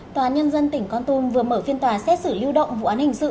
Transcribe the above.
tòa án nhân dân tỉnh con tum vừa mở phiên tòa xét xử lưu động vụ án hình sự